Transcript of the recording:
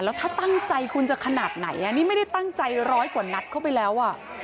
แล้วถ้าตั้งใจคุณจะขนาดไหนนี่ไม่ได้ตั้งใจร้อยกว่านัดเข้าไปแล้วอ่ะ